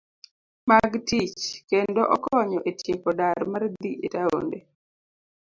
Mag tich kendo okonyo e tieko dar mar dhi e taonde